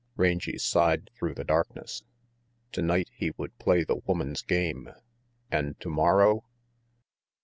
Rangy sighed through the darkness. Tonight he would play the woman's game; and tomorrow